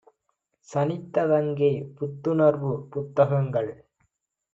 சனித்ததங்கே புத்துணர்வு! புத்த கங்கள்